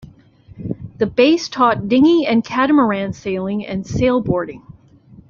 The base taught dinghy and catamaran sailing and sail-boarding.